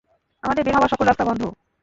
আমাদের বের হবার সকল রাস্তা বন্ধ।